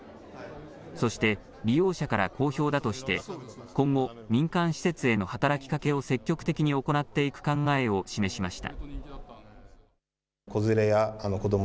そして利用者から好評だとして今後、民間施設への働きかけを積極的に行っていく考えを示しました。